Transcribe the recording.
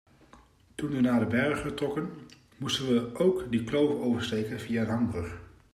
Toen we naar die berghut trokken moesten we ook die kloof oversteken via een hangbrug.